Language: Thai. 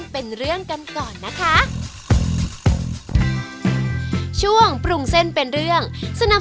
พี่นอธสวัสดีครับ